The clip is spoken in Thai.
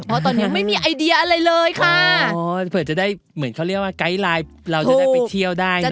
เพราะตอนนี้ไม่มีไอเดียอะไรเลยค่ะอ๋อเผื่อจะได้เหมือนเขาเรียกว่าไกด์ไลน์เราจะได้ไปเที่ยวได้นะ